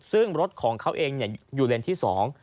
ซึ่งรถของเขาเองอยู่เลนที่๒